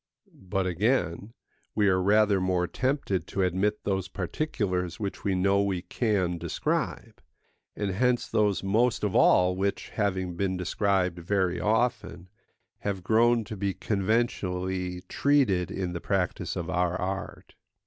But again, we are rather more tempted to admit those particulars which we know we can describe; and hence those most of all which, having been described very often, have grown to be conventionally treated in the practice of our art.